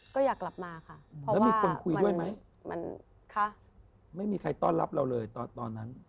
ก็อยากกลับมาค่ะแล้วมีคนคุยด้วยไหมมันค่ะไม่มีใครต้อนรับเราเลยตอนนั้น